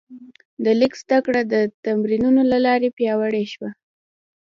د لیک زده کړه د تمرینونو له لارې پیاوړې شوه.